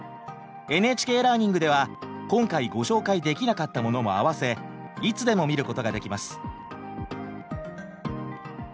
ＮＨＫラーニングでは今回ご紹介できなかったものも合わせいつでも見ることができます。